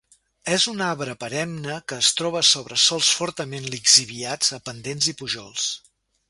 És un arbre perenne que es troba sobre sòls fortament lixiviats a pendents i pujols.